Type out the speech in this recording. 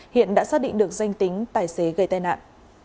hiện đã xác định được danh tính tài xế gây tai nạn